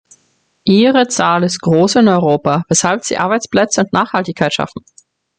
Ihre Zahl ist groß in Europa, weshalb sie Arbeitsplätze und Nachhaltigkeit schaffen.